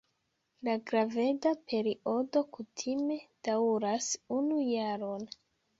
La graveda periodo kutime daŭras unu jaron.